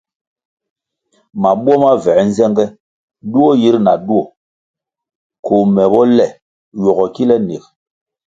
Mabuo ma vuē nzenge duo yir na duo koh me bo le ywogo kile nig.